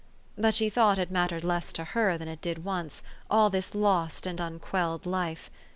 But she thought it mattered less to her than it did once, all this lost and unquelled life.